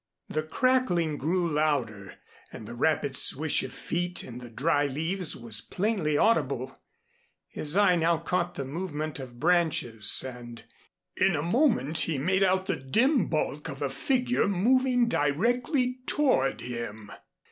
The crackling grew louder and the rapid swish of feet in the dry leaves was plainly audible. His eye now caught the movement of branches and in a moment he made out the dim bulk of a figure moving directly toward him.